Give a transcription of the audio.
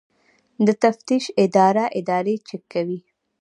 د تفتیش اداره ادارې چک کوي